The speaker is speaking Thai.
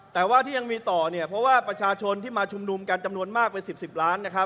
แต่ว่าที่ยังมีต่อเนี่ยเพราะว่าประชาชนที่มาชุมนุมกันจำนวนมากเป็น๑๐๑๐ล้านนะครับ